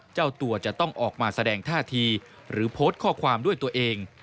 เจ้าตัวจะต้องออกมาแสดงท่าทีหรือโพสต์ข้อความด้วยตัวเอง